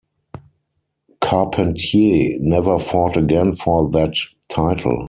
Carpentier never fought again for that title.